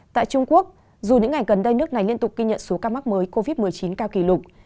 tại trung quốc dù những ngày gần đây nước này liên tục ghi nhận số ca mắc mới covid một mươi chín cao kỷ lục